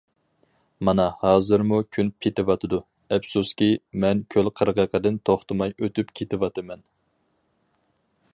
مانا ھازىرمۇ كۈن پېتىۋاتىدۇ، ئەپسۇسكى، مەن كۆل قىرغىقىدىن توختىماي ئۆتۈپ كېتىۋاتىمەن!